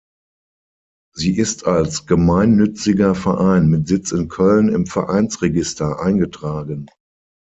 Sie ist als gemeinnütziger Verein mit Sitz in Köln im Vereinsregister eingetragen.